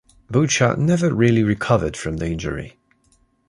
Boucha never really recovered from the injury.